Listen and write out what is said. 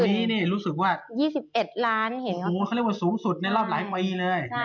ปีนี้รู้สึกว่าสูงสุดในรอบหลายมืออีเลย